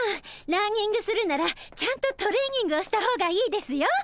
ランニングするならちゃんとトレーニングをした方がいいですよ。